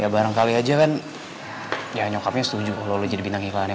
ya barangkali aja kan nyokapnya setuju kalo lo jadi bintang iklannya